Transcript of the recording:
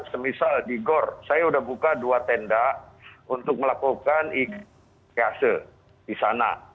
semisal di gor saya sudah buka dua tenda untuk melakukan ikse di sana